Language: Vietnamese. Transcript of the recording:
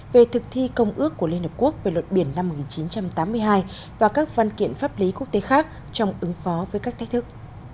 về thực thi công ước của liên hợp quốc về luật biển năm một nghìn chín trăm tám mươi hai và các văn kiện pháp lý quốc tế khác trong ứng phó với các thách thức